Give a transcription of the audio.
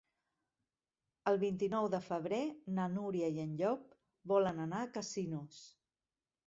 El vint-i-nou de febrer na Núria i en Llop volen anar a Casinos.